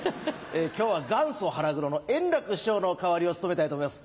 今日は元祖腹黒の円楽師匠の代わりを務めたいと思います。